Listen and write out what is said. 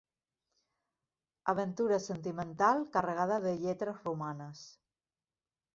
Aventura sentimental carregada de lletres romanes.